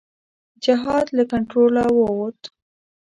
جهاد له کنټروله ووت.